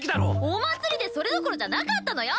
お祭りでそれどころじゃなかったのよ！